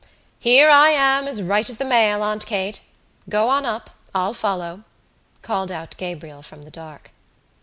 "Here I am as right as the mail, Aunt Kate! Go on up. I'll follow," called out Gabriel from the dark.